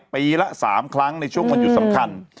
ปีละ๓ครั้งในช่วงวันหยุดสำคัญ